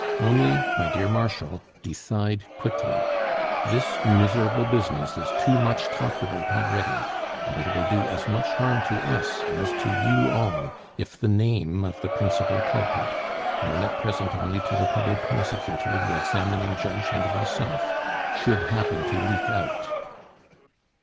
"Only, my dear Marshal, decide quickly. This miserable business is too much talked about already, and it will do as much harm to us as to you all if the name of the principal culprit known at present only to the Public Prosecutor, the examining judge, and myself should happen to leak out."